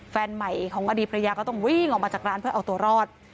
แฟนใหม่ของอดีตภรรยาก็ต้องวิ่งออกมาจากร้านเพื่อเอาตัวรอด